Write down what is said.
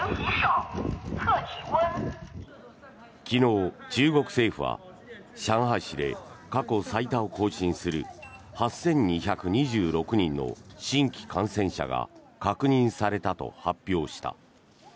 昨日、中国政府は上海市で過去最多を更新する８２２６人の新規感染者が確認されたと発表した。